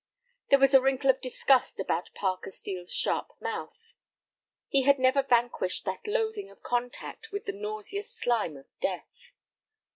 There was a wrinkle of disgust about Parker Steel's sharp mouth. He had never vanquished that loathing of contact with the nauseous slime of death.